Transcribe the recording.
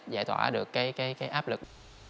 giải tỏa được cái áp lực